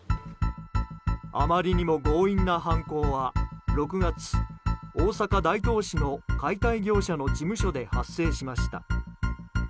あまりにも強引な犯行は６月大阪・大東市の解体業者の事務所で発生しました。